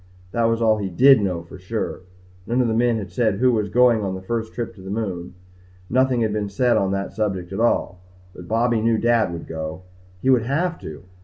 That was all he did know for sure. None of the men had said who was going on the first trip to the moon. Nothing had been said on that subject at all, but Bobby knew Dad would go. He would have to.